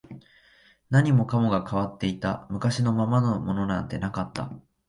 何もかもが変わっていた、昔のままのものなんてなかった